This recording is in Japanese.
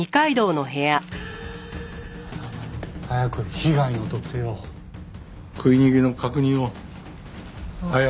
早く被害の特定を食い逃げの確認を早く！